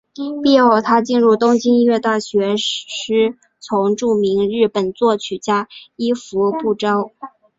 毕业后她进入东京音乐大学师从著名日本作曲家伊福部昭。